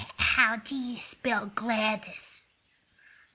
"How do you spell Gladys?"